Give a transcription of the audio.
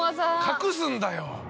隠すんだよ。